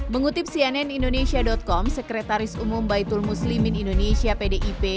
mengutip cnn indonesia com sekretaris umum baitul muslimin indonesia pdip